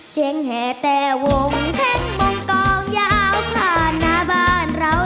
เสียงแห่แต่วงแท่งมงกองยาวพลาดหน้าบ้านเรา